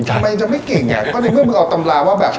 ทำไมจะไม่เก่งอ่ะก็ในเมื่อมึงเอาตำราว่าแบบ